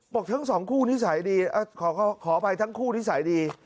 ทั้งสองคู่นิสัยดีขออภัยทั้งคู่นิสัยดี